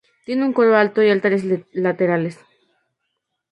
Tiene un coro alto y altares laterales.